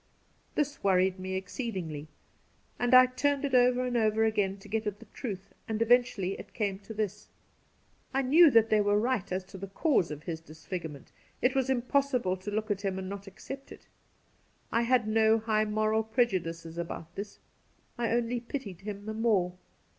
This worried me exceedingly and I turned it over and over again to get at the truth, and eventually it came to this. I knew that they were right as to the cause of his disfigurement ; it was impossible to look at him and not accept it. I had no high moral prejudices about this. I only pitied him the more.